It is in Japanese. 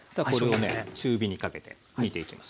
中火にかけて煮ていきますね。